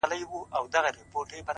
• ما یې له منبره د بلال ږغ اورېدلی دی,